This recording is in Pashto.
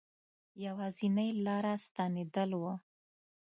یوازنی لاره ستنېدل وه.